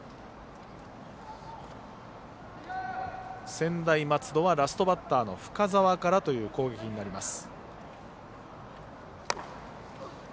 専大松戸はラストバッターの深沢からという攻撃になります。